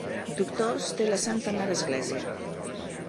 Doctors té la santa mare església.